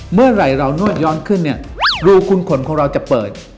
เมื่อไหร่เรานวดย้อนขึ้นเนี่ยรูคุณขนของเราจะเปิด